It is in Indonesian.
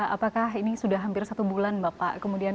apakah ini sudah hampir satu bulan mbak pak